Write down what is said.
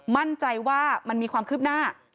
มั่นใจว่ามันมีความคืบหน้า